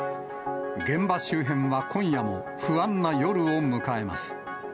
現場周辺は今夜も不安な夜を迎えます。